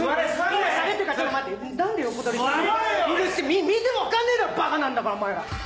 見ても分かんねえだろバカなんだからお前ら。